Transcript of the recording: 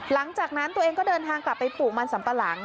หลังจากนั้นตัวเองก็เดินทางกลับไปปลูกมันสัมปะหลัง